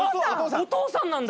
お父さんなんだ！